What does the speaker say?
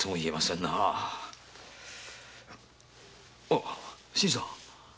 あっ新さん。